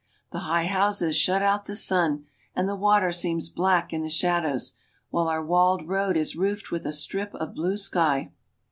The high houses shut out the sun, and the water seems black in the shadows, while our walled road is roofed with a strip of blue sky.